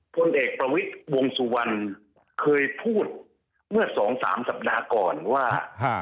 พลเอกประวิทย์วงสุวรรณเคยพูดเมื่อสองสามสัปดาห์ก่อนว่า